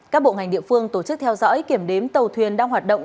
các bộ ngành địa phương tổ chức theo dõi kiểm đếm tàu thuyền đang hoạt động